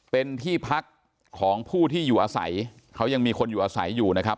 เป็นที่พักของผู้ที่อยู่อาศัยเขายังมีคนอยู่อาศัยอยู่นะครับ